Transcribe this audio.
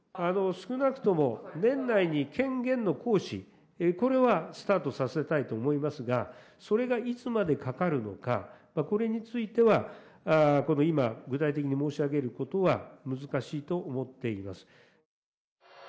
少なくとも年内に権限の行使、これはスタートさせたいと思いますが、それがいつまでかかるのか、今具体的に申し上げることは難しいと思っています。